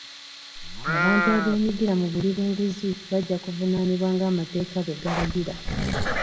Abantu abeenyigira mu buli bw'enguzi bajja kuvunaanibwa ng'amateeka bwe galagira.